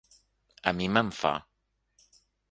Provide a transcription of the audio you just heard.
A mi me'n fa.